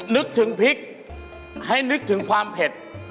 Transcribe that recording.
นึกถึงพริกให้นึกถึงความเผ็ด